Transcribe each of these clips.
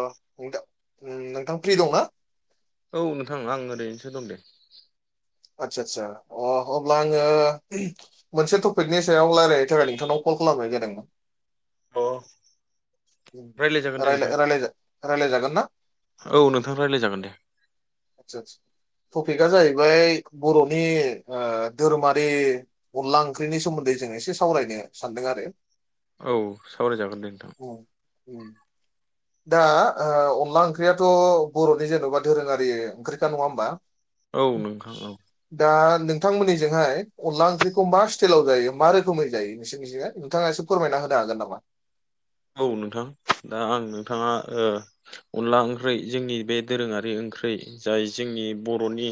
औ नोंथां नोंथां फ्रि दंना औ नोंथां आं ओरैनोसो दं दे आदसा आदसा अ अब्ला आङो मोनसे टपिकनि सायाव रायलायनो थाखाय नोंथांनाव कल खालामनाय जादोंमोन अ रायज्लाय जागोन दे नोंथां रायलाय रायलाय रायलाय जागोन ना औ नोंथां रायलायजागोन दे आतसा आसा टपिकआ जाहैबाय बर'नि धोरोमारि अनला ओंख्रिनि सोमोन्दै जों एसे सावरायनो सानदों आरो औ सावरायजागोन दे नोंथां दा अनला ओंख्रियाथ' बर'नि जेन'बा दोरोङारि ओंख्रिखा नङा होमबा औ नोंथां औ दा नोंथांमोननिजोंहाय अनला ओंख्रिखौ मा स्टाइलाव जायो मा रोखोमै जायो नोंथाङा एसे फोरमायना होनो हागोन नामा औ नोंथां दा आं नोंथाङा अनला ओंख्रै जोंनि बे दोरोङारि ओंख्रै जाय जोंनि बर'नि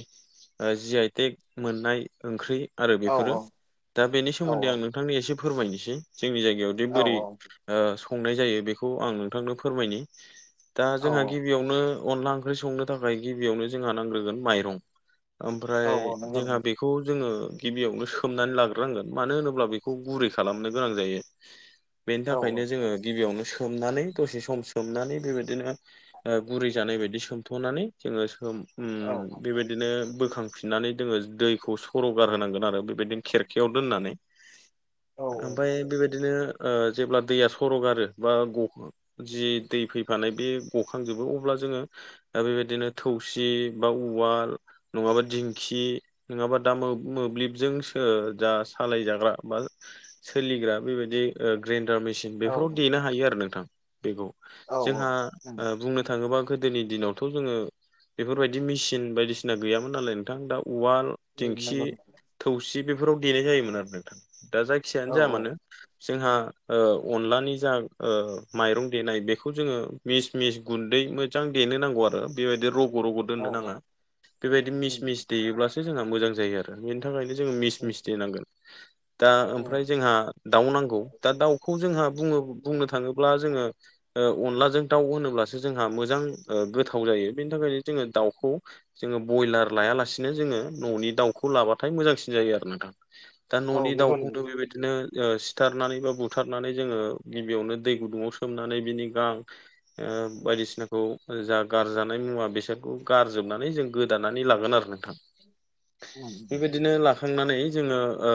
जि आइ टेक मोननाय ओंख्रि आरो औ बेफोरो दा बेनि औ सोमोन्दै आं नोंथांनि एसे फोरमायनोसै जोंनि जायगायाव जे औ बोरै संनाय जायो बेखौ आं नोंथांनो फोरमायनि दा औ जोंहा गिबि औ गिबियावनो अनला ओंख्रि संनो थाखाय गिबियावनो जोंहा नांग्रोगोन माइरं औ ओमफ्राय औ नंगौ जोंहा नंगौ बे बेखौ जोङो गिबियावनो सोमनानै लाग्रोनांगोन मानो होनोब्ला बेखौ गुरै खालामनो गोनां जायो [inaudible] बेनि थाखायनो जोङो गिबियावनो सोमनानै दसे सम सोमनानै बेबायदिनो गुरै जानाय बायदि सोमथ'नानै जोङो औ बेबायदिनो बोखां फफिननानै जोङो दैखौ सर'गार होनांगोन आरो बेबायदिनो खेरखायाव दोननानै औ ओमफ्राय बेबायदिनो जेब्ला दैया सरगारो बा ग जि दै फैफानाय बे गखांजोबो अब्ला जोङो दा बेबायदिनो थौसि बा उवाल नङाबा दिंखि नङाबा दा मोब्लिबजों जा सालायजाग्रा बा सोलिग्रा बेबायदि ग्रेन्डार मेसिन औ बेफोराव देनो हायो आरो नोंथां बेखौ औ जोंहा उम बुं नो थाङोबा गोदोनि दिनावथ' जोङो बेफोरबायदि मेसिन बायदिसिना गैयामोन नालाय नोंथां दा उवाल उम दिंखि नंगौ नंगौ थौसि बेफोराव देनाय जायोमोन आरो नोंथां दा औ जायखिजायानो जाया मानो जोंहा औ अनलानि जा माइरं देनाय बेखौ जोङो मिस मिस गुन्दै मो जां देनो नांगौ आरो बेबायदि रग' रग' औ दोननो नाङा बेबायदि उम मिस उम मिसेायोब्लासो जोंहा मोजां जायो आरो बेनि थाखायनो जोङो मिस उम मिस देनांगोन दा ओमफ्राय जोंहा दाउ नांगौ दा दाउखौ जोंहा बुंनो थाङोब्ला जोङो अनलाजों दाउ होनोब्लासो जोंहा मोजां गोथाव जायो बेनि थाखायनो जोङो दाउखौ जोङो ब्रयलार लायालासिनो जोङो न'नि दाउखौ लाबाथाय मोजांसिन जायो आरोना दा दा औ न'नि नंगौ नंगौ दाउखौनो बेबायदिनो सिथारनानै बा बुथ बुथारनानै जोङो गिबियावनो दै गुदुङाव सोमनानै बिनि गां बायदिसिनाखौ जा गारजानाय मुवा बेसोरखौ गारजोबनानै जों गोदानानै लागोन आरो नोंथां उम उम बेबायदिनो ला थांनानै जोङो ओ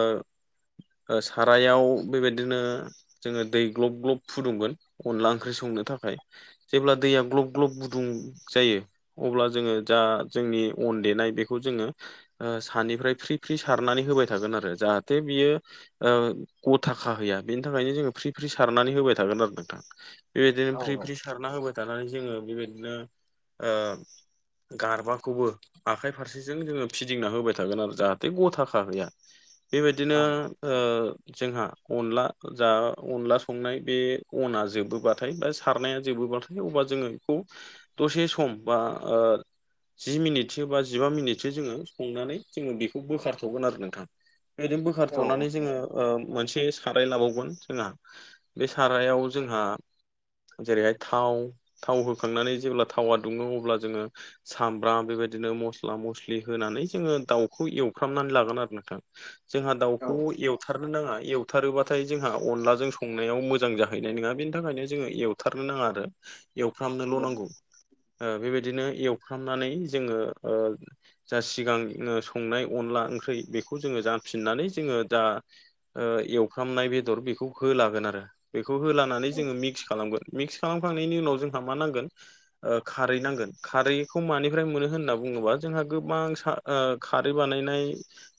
ओ सारायाव बेबायदिनो जोङो दै ग्लब ग्लब फुदुंगोन अनला ओंख्रि संनो थाखाय जेब्ला दैया ग्लब ग्लब गुदुं जायो अब्ला जोङो जा जोंनि अन देनाय बेखौ जोङो ओ सानिफ्राय फ्रि फ्रि सारनानै होबाय थागोन आरो जाहाथे बियो ओ गथा खाहैया बेनि थाखायनो फ्रि फ्रि सारनानै होबाय थागोन आरो नोंथां बेबादिनो औ फ्रि फ्रि सारना होबाय थानानै जोङो बेबायदिनो ओ गारबाखौबो आखाइ फारसेजों जोङो फिदिंना होबाय थागोन आरो जाहाथे गथाखाहैया औ बेबायदिनो ओ जोंहा अनला जा अनला संनाय बे अना जोबोबाथाय बा सारनाया जोबोबाथाय अब्ला जोङो बेखौ द'से सम बा ओ जि मिनिटसो बा जिबा मिनिटसो जोङो संनानै जोङो बेखौ बोखारथ'गोन आरो नोंथाङा बेबादिनो औ बोखारथ'नानै जोङो ओ मोनसे सा राय लाबावगोन जोंहा बे सारायाव जोंहा जेरैहाय थाव थाव होखांनानै जेब्ला थावा दुङो अब्ला जोङो सामब्राम बेबायदिनो मस्ला मस्लि होनानै जोङो दाउखौ एवफ्रामनानै लागोन आरो नोंथां जोंहा दाउखौ एवथारनो नाङा एवथारोबा थाय जोंहा अनलाजों संनायाव मोजां जाहैनाय नङा बेनि थाखायनो जोङो एवथारनो नाङा आरो एवफ्रामनोल' नंगौ नांगौ बेबायदिनो एवफ्रामनानै जोङो ओ जा सिगां संनाय अनला ओंख्रि बेखौ जोङो जाफिननानै जोङो दा ओ एवफ्रामनाय बेदर बेखौ होलागोन आरो बेखौ होोलानानै जोङो मिक्स खालामगोन मिक्स खालामखांनायनि उनाव जोंहा मा नांगोन ओ खारै नांगोन खारैखौ मानिफ्राय मोनो होनना बुङोबा जोंहा गोबां सा ओ खारै बानायनाय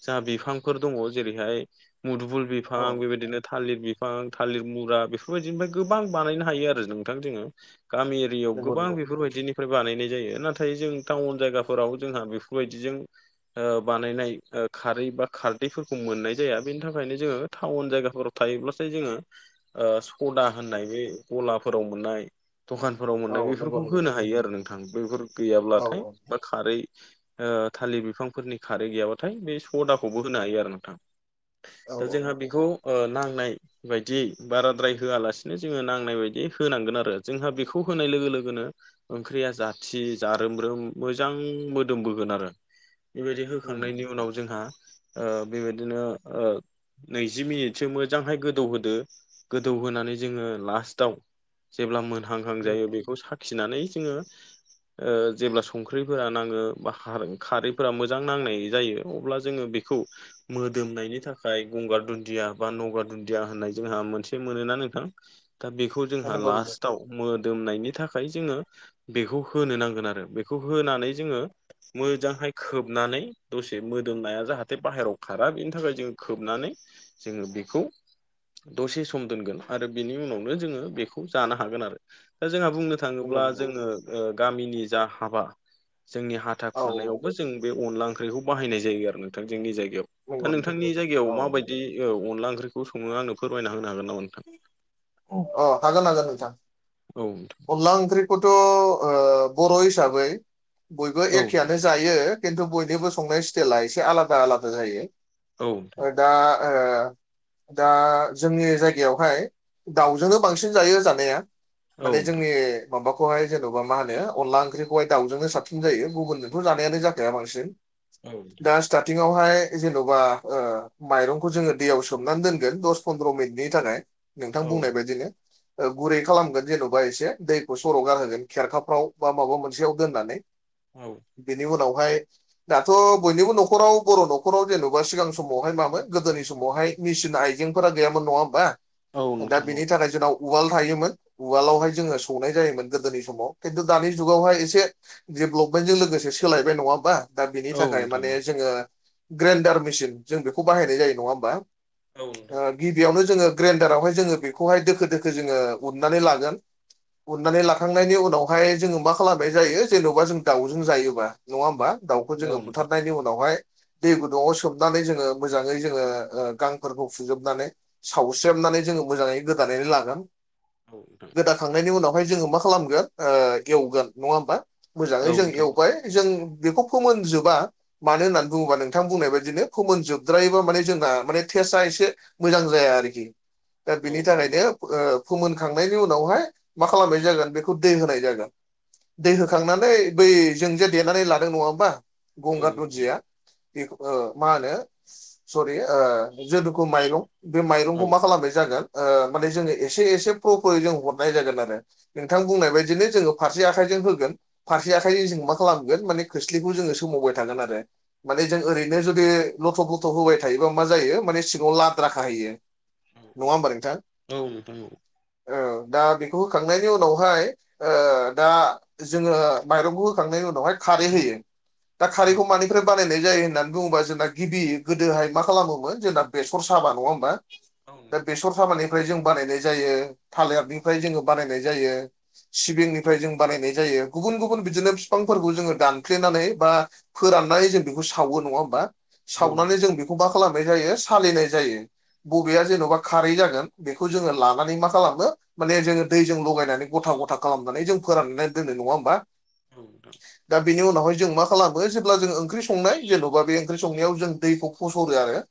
जा बिफांफोर दङ जेरैहाय मुदबुल बि फां औ बेबायदिनो थालिर बिफां थालिर मुरा बेफोरबायदिनिफ्राय गोबां बानायनो हायो आरो नोंथां जोङो गामि एरियायाव नंगौ गोबां बेफोरबायदिनि फ्राय बानायनाय जायो नाथाय जों टाउन जायगाफोराव जोंहा बेफोरबायदिजों ओ बानायनाय खारै बा खारदैफोरखौ मोननाय जाया बेनि थाखायनो जोङो टाउन जायगाफोराव थायोब्लासो जोङो ओ सदा होननाय बे गलाफोराव मोननाय दखान फोराव औ मोननाय नंगौ बेफोरखौ नंगौ होनो हायो आरो नोंथां बेफोर औ औ गैयाब्लाथाय बा खारै ओ थालिर बिफांफोरनि खारै गैयाबाथाय बे सदाखौबो होनो हायो आरो नोंथां दा औ जोंहा बेखौ ओ नांनाय बायदियै बाराद्राय होआलासिनो जोङो नांनाय बायदियै होनांगोन आरो जोंहा बेखौ होनाय लोगो लोगोनो ओंख्रिया जाथि जारोम रोम मोजां मोदोमबोगोन आरो बेबायदि उम होखांनायनि उनाव जोंहा ओ बेबायदिनो ओ नैजि मिनिटसो मोजांहाय गोदौहोदो गोदौ होनोनानै जोङो लास्टाव जेब्ला मोनहांहां उम जायो बेखौ साखिनानै जोङो जेब्ला संख्रिफोरा नाङो बा खारैफोरा मोजां नांनाय जायो थ' अब्ला जोङो बेखौ मोदोमनायनि थाखाय गंगार दुन्दिया बा नगार दुन्दिया होननाय जोंहा मोनसे मोनोना नोंथां दा बेखौ जोंहा नंगौ नंगौ लास्टाव मोदोमनायनि थाखाय जोङो बेखौ होनो नांगोन आरो बेखौ होनानै जोङो मोजांहाय खोबनानै दसे मोदोमनाया जाहाथे बाहेरायाव खारा बेनि थाखाय जों खो खोबनानै जोङो बेखौ दसे सम दोनगोन आरो बिनि उनावनो जोङो बेखौ जानो हागोन आरो दा जोंहा बुंनो थां नंगौ थाङोब्ला नंगौ जोङो गामिनि जा हाबा जोंनि हाथा औ खुरनायावबो जों बे अनला ओंख्रिखौ बाहायनाय जायो आरो नोंथां जोंनि जायगायाव नंगौ नोंथां औ माबायदि औ अनला ओंख्रिखौ सङो आंनो फोरमायना होनो हागोन नामा? नोंथां अ ओ हागोन हागोन नोंथां। औ नोंथां। अनला ओंख्रिखौथ' ओ बर' हिसाबै बयबो औ एखेयानो जायो खिन्थु बयनिबो संनाय स्टेला एसे आलादा आलादा जायो। औ नोंथां। ओ दा ओ दा जोंनि जायगायावहाय दाउजोंनो बांसिन जायो जानाया। माने नोंथां जोंनि माबाखौहाय जेन'बा मा होनो अनला ओंख्रिखौहाय दाउजोंनो साबसिन जायो गुबुनजोंथ' जानायानो जाखाया बांसिन। औ नोंथां दा स्टार्टिंआवहाय जेन'बा ओ माइरंखौ जोङो दैयाव सोमनानै दोनगोन दस पन्द्र मिनिटनि थाखाय। नोंथां औ बुंनाय बायदिनो ओ गुरै खालामगोन जेन'बा। अबबा एसे दैखौ सर' गारहोगोन खेरखाफ्राव बा माबा मोनसेयाव दोननानै। औ। बेनि उनावहाय दाथ' बयनिबो न'खराव बर' न'खराव जेन'बा सिगां समावहाय मामोन गोदोनि समावहाय मेसिन आइजेंफोरा गैयामोन नङा होमबा दा नोंथां औ नोंथां औ बिनि थाखाय जोंनाव उवाल थायोमोन। उवालावहाय जोङो सौनाय जायोमोन गोदोनि समाव खिन्थु दानि जुगावहाय एसे डेभेलपमेन्टजों लोगोसे सोलायबाय नङा होमबा। दा बेनि औ थाखाय नोंथां औ नोंथां माने औ नोंथां औ नोंथां औ नोंथां औ नोंथां औ नोंथां औ जोङो ग्रेन्डार मेसिन जों बेखौ बाहायनाय जायो नङा होमबा। ओ गिबियावनो जोङो ग्रेन्डारावहाय जोङो बेखौहाय दोखो दोखो जोङो उननानै लाग गोन अननानै लाखांनायनि उनावहाय जोङो मा खालामनाय जायो जेन'बा जों दावउजों जायोबा नङा होमबा दाउखौ जोङो बुथारनायनि उनावहाय दै गुदुङाव सोमनानै जोङो मोजाङै जोङो ओ गांफोरखौ फुजोबनानै सावस्रेबनानै जोङो मोजाङै गोदानानै लागोन। औ नोंथां। गोदाखांनायनि उनावहाय जोङो मा खालामगोन ओ एवगोन नङा होमबा मोजाङै जों एवबाय जों बेखौ फोमोनजोबा। मानो होननानै बुङोबा नोंथां बुंनाय बादिनो फोमोन जोबद्रायबा माने जोंना माने टेस्टआ एसे मोजां जाया आरोखि दा औ बिनि थाखायनो ओ फोमोनखांनाय उनावहाय मा खालामनाय जागोन बेखौ दै होनाय जागोन। दै होखांनानै बै जों जे देनानै लादों नङा होमबा गंगार दन्जिया बेखौ ओ मा होनो सरि ओ जेनुखा माइरं बे माइरंखौ मा खालामनाय जागोन औ माने जोङो एसे एसे फ्र'-फ्र'यै जों हरनाय जागोन आरो। नोंथां बुंनाय बायदिनो जोङो फारसे आखाइजों होगोन फारसे आखायजों जों मा खालामगोन माने खोस्लिखौ जोङो सोमावबाय थागोन आरो। माने जों ओरैनो जुदि लथ'ब लथ'ब होबाय थायोबा मा जायो माने सिङाव लाद्रा खाहैयो। नङा होमबा नोंथां। औ नोंथां औ। ओ दा बेखौ होखांनायनि उनावहाय ओ दा जोङो माइरंखौ होखांनायनि उनावहाय खारै होयो दा खारैखौ मानिफ्राय बानायनाय जायो होननानै बुङोबा जोंना गिबि गोदोहाय मा खालामोमोन जोंना बेसर साबा नङा होमबा। औ दा बेसर साबानिफ्राय जों बानायनाय जायो थालेरनिफ्राय जोङो बानायनाय जायो। सिबिंनिफ्राय जों बानायनाय जायो गुबुन गुबुन बिदिनो बिफांफोरखौ जोङो दानफ्लेनानै बा फोराननानै जों बेखौ सावो नङा होमबा नोंथां औ सावनानै जों बेखौ मा खालामनाय जायो सालिनाय जायो बबेया जेन'बा खारै जागोन बेखौ जोङो लानानै मा खालाम मो माने जोङो दैजों लगायनानै गथा गथा खालामनानै जों फोराननानै दोननो नङा होमबा। औ थां। दा बेनि उनावहाय जों मा खालामो जेब्ला जों ओंख्रि संनाय जेनबा बे ओंख्रि संनायाव जों दैखौ फसरो आरो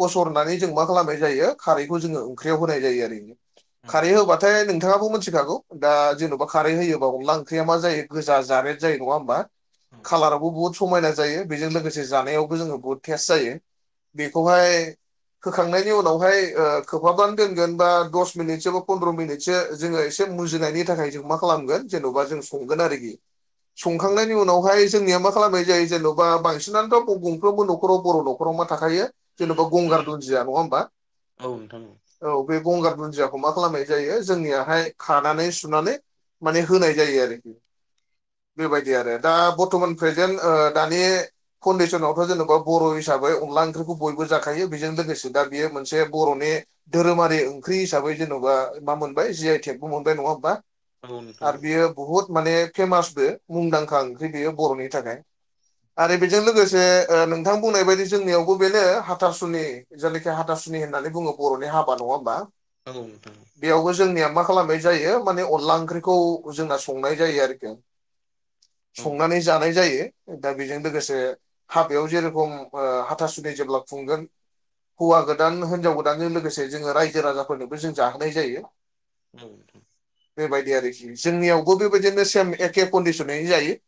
फसरनानै जों मा खालामनाय जायो खारैखौ जोङो ओंख्रियाव होनाय जायो आरोओरैनो औ खारै होबाथाय नोंथाङाबो मिथिखागौ दा जेन'बा खारै होयोबा अनला ओंख्रिया मा जायो गोजा जानाय जायो नङा होमबा। औ कालाराबबो बुहुद समायना जायो बेजों लोगोसे जानायावबो जोङो बुहुद टेस्ट जायो। बेखौहाय होखांनायनि उनावहाय खोबहाबनानै दोनगोन बा दस मिनिट एसेबा पन्द्र' मिनिटसो जोङो एसे मुजिनायनि थाखाय जों मा खालामगोन जेन'बा जों संगोन आरोखि औ संखांनायनि उनावहाय जोंनिया मा खालामबाय ज जेन'बा बांसिनानोथ' गंफ्रोमबो न'खराव बर' न'राव मा थाखायो। जेन'बा गंगार दुन्दिया नङा होमबा औ नोंथां औ बे गंगार दुन्दियाखौ मा खालामनाय जायो जोंनियाहाय खानानै सुनानै माने होनाय जायो आरोखि बेबायदि आरो दा बर्थमान प्रेजेन्ट दानि फाउडेसनावथ' जेन'बा बर' हिसाबै अनला ओंख्रिखौ बयबो जाखायो बेजों लोगोसे दा बेयो मोनसे बर'नि धोरोमारि ओंख्रि हिसाबै जेन'बा मा मोनबाय जि आइ टेकबो मोनबाय नङा होमबा औ नोंथां आरो औ बियो। बुहुद माने फेमासबो मुंदांखा ओंख्रि बेयो बर'नि थाखाय आरो बेजों लोगोसे नोंथां बुंनाय बायदि जोंनियावबो बेनो हाथारसुनि। जायनाखि हाथासुनि होननानै बुङो बर'नि हाबा नङा होमबा। औ। औ बेयावबो जोंनिया मा खालामनाय जायो माने अनला ओंख्रिखौ जोंना संनाय जायो आरोखि औ संनानै जानाय जायो दा बेजों लोगोसे हाबायाव जेरेखम हाथासुदि जेब्ला खुंगोन हौवा गोदान हिनजाव गोदानजों लोगोसे जोङो रायजो राजाफोरनोबो जों जाहोनाय जायो। औ बेबायदि आरोखि जोंनियावबो बेबायदिनो सेम एखे कन्डसनैनो जायो।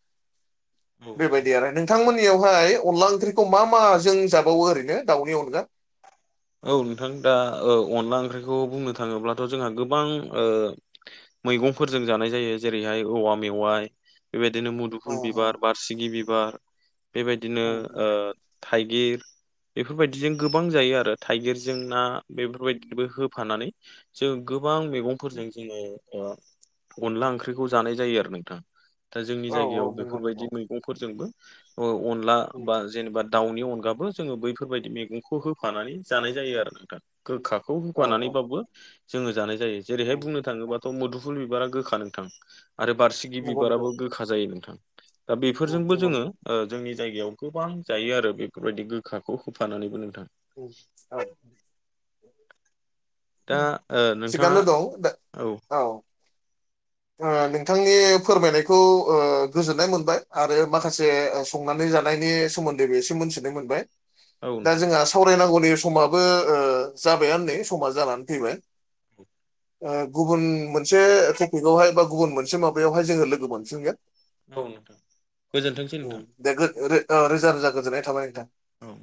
नोंथां बेबायदि आरो नोंथांमोननियावहाय अनला ओंख्रि फंख्रिखौ मा मा जों जाबावो ओरैनो दाउनि अनगा औ नोंथां दा अनला ओंख्रिखौ बुंनो थाङोब्लाथ' जोंहा गोबां। मैगंफोरजों जानाय जायो जेरैहाय औवा मेवाइ बेबायदिनो म दुफुल अनगा बिबार बारसिगि बिबार बेबायदिनो उम उम थाइगिर बेफोरबायदिजों गोबां जायो आरो थाइगिरजों ना बेफोरबायदिबो होफानानै जों गोबां मैगंफोरजों जोङो। अनला ओंख्रिखौ जानाय जायो आरो नोंथां। दा जोंनि औ औ जायगायाव नंगौ नंगौ बेफोरबायदि मैगंफोरजोंबो अनला उम बा जेनेबा दाउनि अनगाबो जोङो बैफोरबायदि मैगंखौ होफानानै जानाय जायो आरो नोंथां गोखाखौ औ औ होफानानैबाबो जोङो जानाय जायो जेरैाय उम बुंनो थाङोब्लााथ' मुफुल बिबारा गोखा नोंथां आरो बारसिगि नंगौ नंगौ बिबाराबो गोखा रोखा जायो नोंथां दा उम बेफोरजोंबो नंगौ जोङो। नंगौ जोंनि जायगायाव गोबां जायो आरो बेफोरबायदि गोखाखौ होफानानैबो नोंथां। औ। दा ओ नोंथाङा सिगांनो दं औ। नोंथांनि फोरमायनायखौ गोजोननाय मोनबाय आरो माखासे संनानै जानायनि सोमोन्दैबो एसे मोनथिनाय मोनबाय औ दा नोंथां जोंहा सावरायनांगौनि समाबो जाबायानो नै समा जानानै फैबाय। गुबुन मोनसे बेगावहाय बा गुबुन मोनसे माबायावहाय जोङो लोगो मोनफिनगोन। औ नोंथां गोजोनथोंसै उम नोंथां। दे रोजा रोजा गोजोन्नाय थाबाय नोंथां। औ।